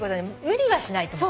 無理はしないと。